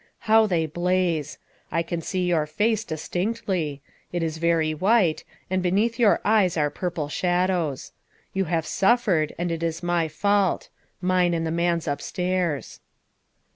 How they blaze! I can see your face distinctly. It is very white, and beneath your eyes are purple shadows. You have suf fered, and it is my fault mine and the man's upstairs."